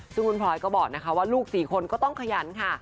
ซึ่งคุณพลอยก็บอกนะคะว่าลูก๔คนก็ต้องขยันค่ะ